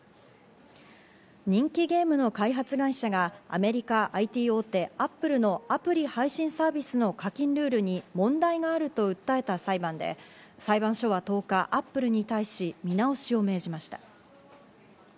人気ゲームの開発会社がアメリカＩＴ大手・アップルのアプリ配信サービスの課金ルールに問題があると訴えた裁判で裁判所は１０日、アップルに対し見直しを命じました。